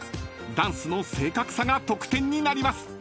［ダンスの正確さが得点になります］